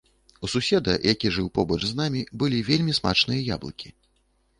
У суседа, які жыў побач з намі, былі вельмі смачныя яблыкі.